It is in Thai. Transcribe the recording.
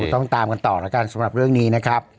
ต้องตามกันต่อแล้วกันสำหรับเรื่องนี้นะครับ